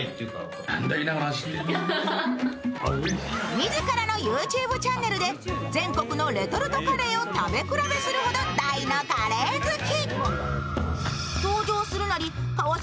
自らのＹｏｕＴｕｂｅチャンネルで全国のレトルトカレーを食べ比べするほど、大のカレー好き。